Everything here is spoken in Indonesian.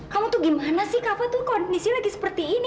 kamu tuh gimana sih kak fatul kondisi lagi seperti ini